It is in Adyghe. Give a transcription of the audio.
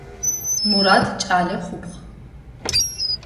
Мурат кӏэлэ хъупхъ.